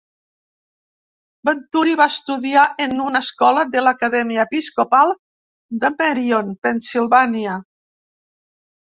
Venturi va estudiar en una escola de l'Acadèmia Episcopal de Merion, Pennsilvània.